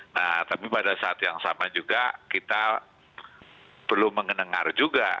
nah tapi pada saat yang sama juga kita perlu mengenengar juga